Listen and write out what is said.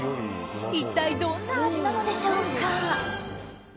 一体どんな味なのでしょうか。